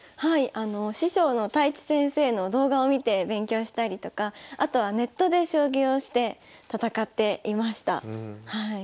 あの師匠の太地先生の動画を見て勉強したりとかあとはネットで将棋をして戦っていました。